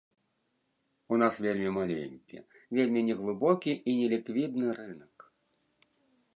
У нас вельмі маленькі, вельмі неглыбокі і неліквідны рынак.